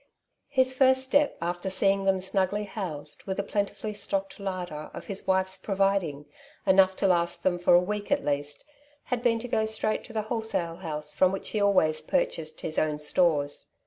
His first step after seeing them snugly housed^ with a plentifully stocked larder of his wife's providing, enough to last them for a week at leasts had been to go straight to the wholesale house from which he alwajB purchased his own stores.